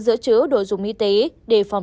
giữa chứa đồ dùng y tế để phòng